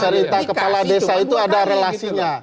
cerita kepala desa itu ada relasinya